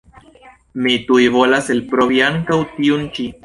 Mi tuj volas elprovi ankaŭ tiun ĉi.